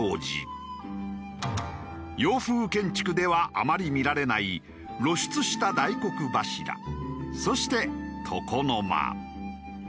洋風建築ではあまり見られない露出した大黒柱そして床の間。